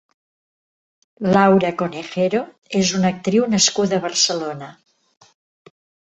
Laura Conejero és una actriu nascuda a Barcelona.